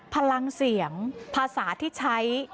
พลังเสียงภาษาที่ใช้